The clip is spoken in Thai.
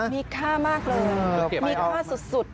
มีค่ามากเลยมีค่าสุด